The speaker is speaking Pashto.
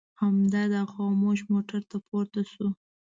همدرد او خاموش موټر ته پورته شوو.